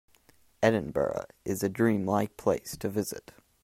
Edinburgh is a dream-like place to visit.